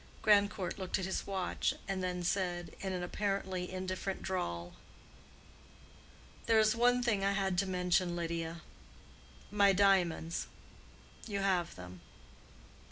Grandcourt looked at his watch, and then said, in an apparently indifferent drawl, "There is one thing I had to mention, Lydia. My diamonds—you have them."